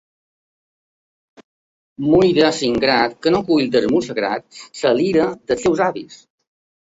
Muira l'ingrat que no cull del mur sagrat la lira dels seus avis!